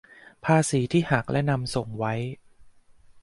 ภาษีที่หักและนำส่งไว้